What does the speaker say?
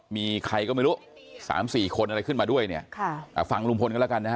มีใครก็ไม่รู้สามสี่คนอะไรขึ้นมาด้วยเนี่ยค่ะอ่าฟังลุงพลกันแล้วกันนะฮะ